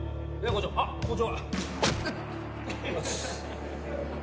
あっ校長。